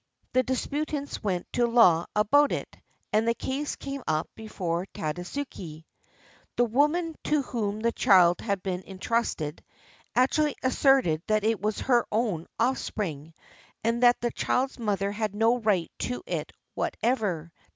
The disputants went to law about it and the case came up before Tadasuke. The woman to whom the child had been entrusted actually asserted that it was her own offspring, and that the child's mother had no right to it whatever.